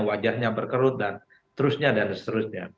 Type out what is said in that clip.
wajahnya berkerut dan terusnya dan seterusnya